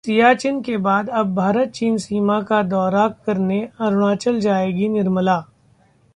सियाचिन के बाद अब भारत-चीन सीमा का दौरा करने अरुणाचल जाएंगी निर्मला